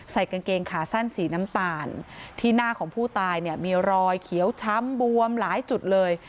กางเกงขาสั้นสีน้ำตาลที่หน้าของผู้ตายเนี่ยมีรอยเขียวช้ำบวมหลายจุดเลย